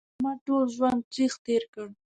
احمد ټول ژوند تریخ تېر کړ